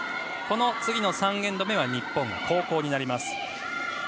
この次の３エンド目は日本、後攻になります。